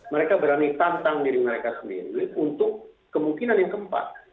mereka berani tantang diri mereka sendiri untuk kemungkinan yang keempat